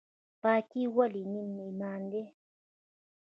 پاکي ولې نیم ایمان دی؟